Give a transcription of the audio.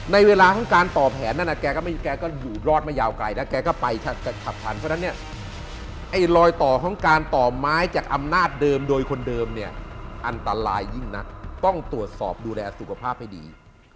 ในเวลาของการต่อแผนนั้นแกก็อยู่รอดไม่ยาวไกลนะแกก็ไปฉับพันเพราะฉะนั้นเนี่ยไอ้รอยต่อของการต่อไม้จากอำนาจเดิมโดยคนเดิมเนี่ยอันตรายยิ่งนักต้องตรวจสอบดูแลสุขภาพให้ดี